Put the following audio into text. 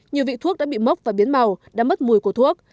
nhiều vị thuốc đã bị mốc và biến màu đã mất mùi của thuốc